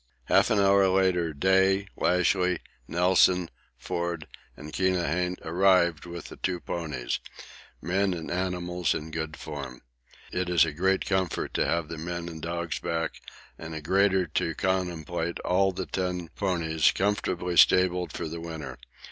Half an hour later Day, Lashly, Nelson, Forde, and Keohane arrived with the two ponies men and animals in good form. It is a great comfort to have the men and dogs back, and a greater to contemplate all the ten ponies comfortably stabled for the winter.